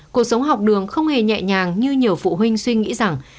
cuộc sống học đường không hề nhẹ nhàng như nhiều phụ huynh suy nghĩ rằng